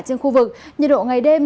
trên khu vực nhiệt độ ngày đêm